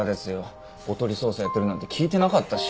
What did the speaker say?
おとり捜査やってるなんて聞いてなかったし。